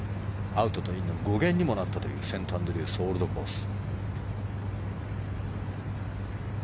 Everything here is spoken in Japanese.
アウトとインの語源にもなったというセントアンドリュースオールドコース。